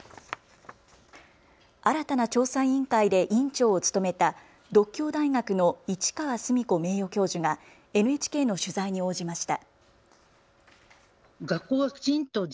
新たな調査委員会で委員長を務めた獨協大学の市川須美子名誉教授がＮＨＫの取材に応じました。